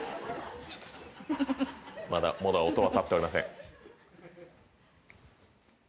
まだ音は立っておりません。